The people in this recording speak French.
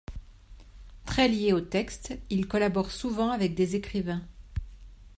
Très lié au texte, il collabore souvent avec des écrivains.